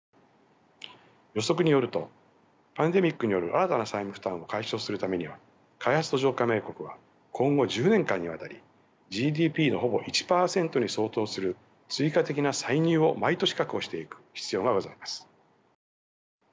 予測によるとパンデミックによる新たな債務負担を解消するためには開発途上加盟国は今後１０年間にわたりＧＤＰのほぼ１％に相当する追加的な歳入を毎年確保していく必要がございます。